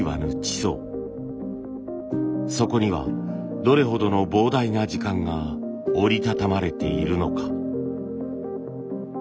そこにはどれほどの膨大な時間が折り畳まれているのか。